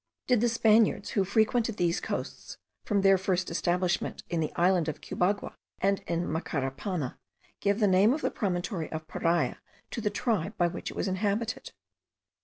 Did the Spaniards, who frequented these coasts from their first establishment in the island of Cubagua and in Macarapana, give the name of the promontory of Paria* to the tribe by which it was inhabited?